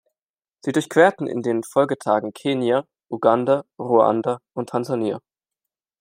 Sie durchquerten in den Folgetagen Kenia, Uganda, Ruanda und Tansania.